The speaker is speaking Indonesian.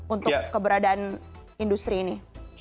untuk keberadaan industri ini